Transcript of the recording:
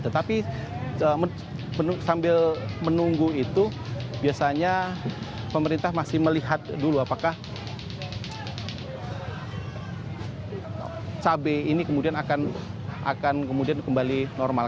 tetapi sambil menunggu itu biasanya pemerintah masih melihat dulu apakah cabai ini kemudian akan kembali normal